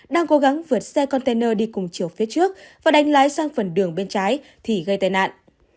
đang cố gắng vượt xe container đi cùng chiều phía trước và đánh lái sang phần đường bên trái thì gây tai nạn